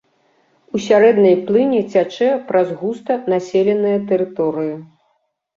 У сярэдняй плыні цячэ праз густа населеныя тэрыторыі.